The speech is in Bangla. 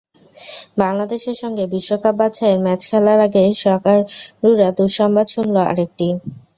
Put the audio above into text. বাংলাদেশের সঙ্গে বিশ্বকাপ বাছাইয়ের ম্যাচ খেলার আগে সকারুরা দুঃসংবাদ শুনল আরেকটি।